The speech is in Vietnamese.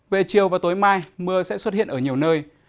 về chiều và tối mai mưa sẽ xuất hiện ở nhiều nơi